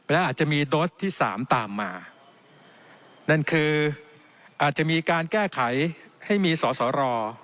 และอาจจะมีโดสที่สามตามมานั่นคืออาจจะมีการแก้ไขให้มีสอสอรอ